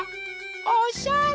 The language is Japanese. おしゃれ！